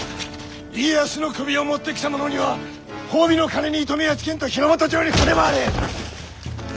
家康の首を持ってきた者には褒美の金に糸目はつけんと日ノ本中に触れ回れ！